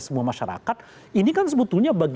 semua masyarakat ini kan sebetulnya bagi